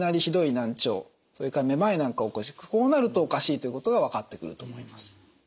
難聴それからめまいなんかを起こしこうなるとおかしいということが分かってくると思います。